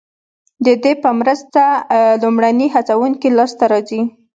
ددې په مرسته لومړني هڅوونکي لاسته راځي.